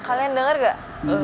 kalian denger gak